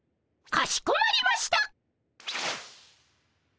かしこまりました。